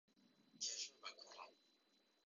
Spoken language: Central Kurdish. گێژ مەبە، کوڕم.